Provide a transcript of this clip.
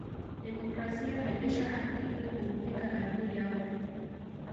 Demokrasia rejesha haki ili kumpiga adui yao